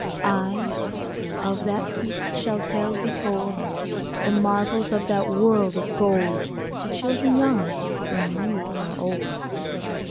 Ay, of that feast shall tales be told, The marvels of that world of gold To children young, when you are old.